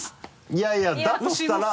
いやいやだとしたら。